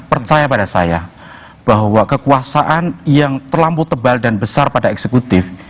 percaya pada saya bahwa kekuasaan yang terlampau tebal dan besar pada eksekutif